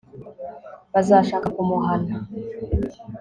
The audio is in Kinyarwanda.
bazashaka kumuhana